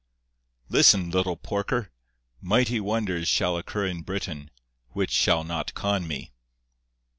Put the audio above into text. Listen, little porker! mighty wonders Shall occur in Britain, which shall not con me.